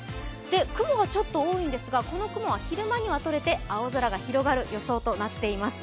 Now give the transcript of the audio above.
雲がちょっと多いんですが、この雲は昼間にはとれて青空が広がる予想となっています。